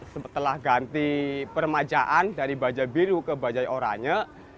setelah ganti permajaan dari bajai biru ke bajai orangnya